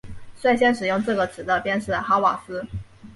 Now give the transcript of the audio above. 率先使用这个词的便是哈瓦斯。